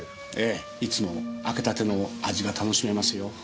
ええいつも開けたての味が楽しめますよ。